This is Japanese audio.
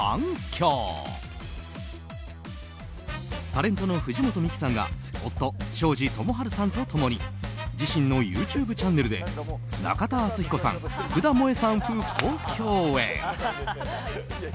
タレントの藤本美貴さんが夫・庄司智春さんと共に自身のＹｏｕＴｕｂｅチャンネルで中田敦彦さん、福田萌さん夫婦と共演。